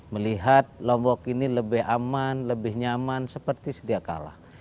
melihat lombok ini lebih aman lebih nyaman seperti sedia kalah